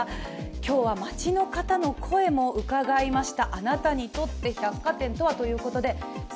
今日は街の方の声も伺いました。